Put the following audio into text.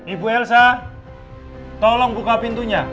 ibu elsa tolong buka pintunya